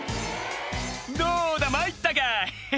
「どうだ参ったかヘヘ」